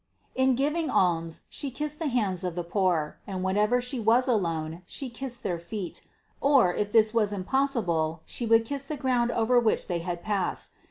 In giving alms She kissed the hands of the poor, and whenever She was alone, She kissed their feet, or, if this was impossible, She would kiss the ground over which they had passed.